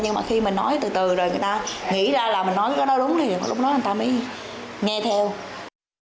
nhưng mà khi mình nói từ từ rồi người ta nghĩ ra là mình nói cái đó đúng là lúc đó người ta mới nghe theo